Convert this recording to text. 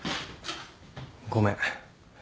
ごめん。